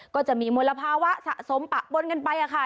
ก็จะมีมลภาวะสะสมปะปนกันไปค่ะ